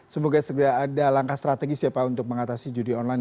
semoga segera ada langkah strategis ya pak untuk mengatasi judi online